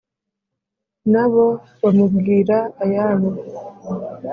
na bo bamubwira ayabo.